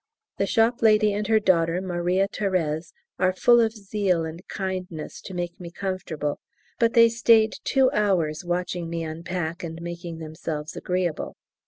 The shop lady and her daughter Maria Thérèse are full of zeal and kindness to make me comfortable, but they stayed two hours watching me unpack and making themselves agreeable!